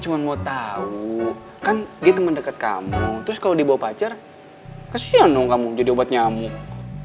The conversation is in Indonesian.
cuma mau tahu kan gitu mendekat kamu terus kalau dibawa pacar kasih anung kamu jadi obat nyamuk